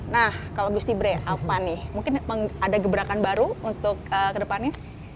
nah kalau gustibre apa nih mungkin ada gebrakan baru untuk kedepannya